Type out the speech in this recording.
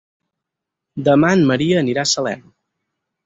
Demà en Maria anirà a Salem.